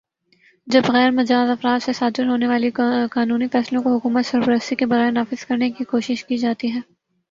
جب غیر مجازافراد سے صادر ہونے والے قانونی فیصلوں کو حکومتی سرپرستی کے بغیر نافذ کرنے کی کوشش کی جاتی ہے